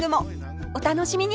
お楽しみに